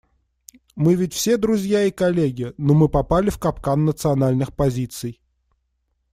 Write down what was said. Мы ведь все друзья и коллеги, но мы попали в капкан национальных позиций.